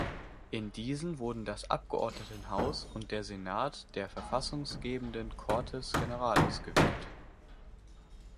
In diesen wurden das Abgeordnetenhaus und der Senat der verfassungsgebenden Cortes Generales gewählt.